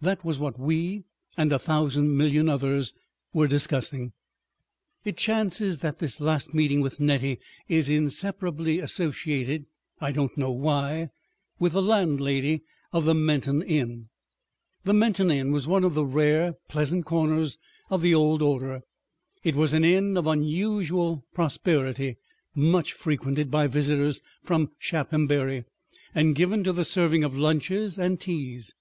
That was what we and a thousand million others were discussing. ... It chances that this last meeting with Nettie is inseparably associated—I don't know why—with the landlady of the Menton inn. The Menton inn was one of the rare pleasant corners of the old order; it was an inn of an unusual prosperity, much frequented by visitors from Shaphambury, and given to the serving of lunches and teas.